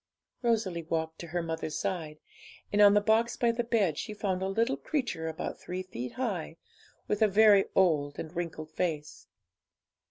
Rosalie walked to her mother's side, and on the box by the bed she found a little creature about three feet high, with a very old and wrinkled face.